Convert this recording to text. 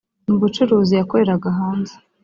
Mu bucuruzi yakoreraga hanze